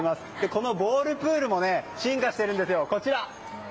このボールプールも進化しているんですよ。